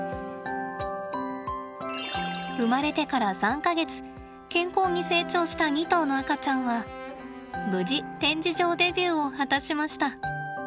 生まれてから３か月健康に成長した２頭の赤ちゃんは無事展示場デビューを果たしました。